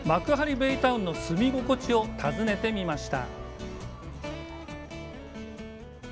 ベイタウンの住み心地を尋ねてみました。